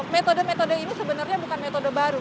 metode metode ini sebenarnya bukan metode baru